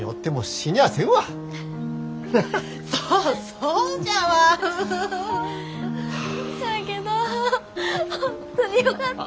しゃあけど本当によかった。